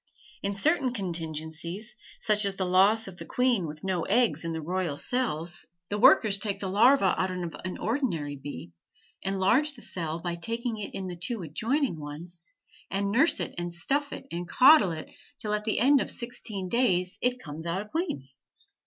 In certain contingencies, such as the loss of the queen with no eggs in the royal cells, the workers take the larva of an ordinary bee, enlarge the cell by taking in the two adjoining ones, and nurse it and stuff it and coddle it, till at the end of sixteen days it comes out a queen.